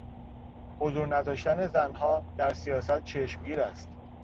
حضور نداشتن زنها در سیاست چشمگیر است.